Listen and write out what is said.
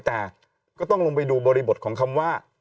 แต่ก็ต้องลงไปดูบริบทของคำว่า